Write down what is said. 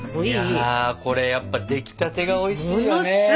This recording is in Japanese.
いやこれやっぱ出来たてがおいしいよね。